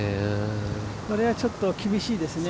これはちょっと厳しいですね